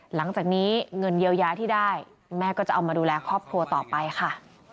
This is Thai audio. หลังจากนี้เงินเยียวยาที่ได้แม่ก็จะเอามาดูแลครอบครัวต่อไปค่ะ